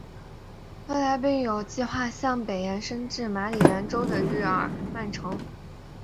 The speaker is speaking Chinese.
未来并有计画向北延伸至马里兰州的日耳曼镇。